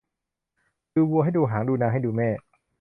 ดูวัวให้ดูหาง ดูนางให้ดูแม่